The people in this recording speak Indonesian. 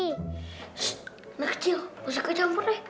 ssss anak kecil musiknya campurnya